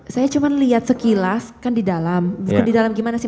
saya cuma lihat sekilas kan di dalam bukan di dalam gimana sih